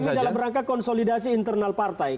tetapi kami dalam rangka konsolidasi internal partai